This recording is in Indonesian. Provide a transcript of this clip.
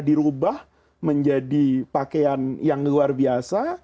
dirubah menjadi pakaian yang luar biasa